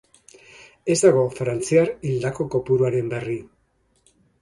Ez dago frantziar hildako kopuruaren berri.